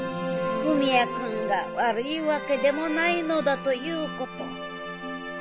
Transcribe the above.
文也君が悪いわけでもないのだということを。